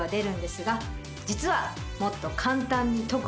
実は。